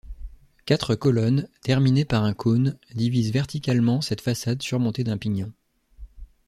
Quatre colonnes, terminées par un cône, divisent verticalement cette façade surmontée d'un pignon.